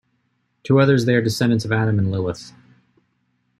To others they are descendants of Adam and Lilith.